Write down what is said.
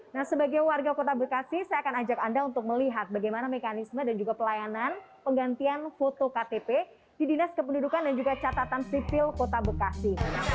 nah sebagai warga kota bekasi saya akan ajak anda untuk melihat bagaimana mekanisme dan juga pelayanan penggantian foto ktp di dinas kependudukan dan juga catatan sipil kota bekasi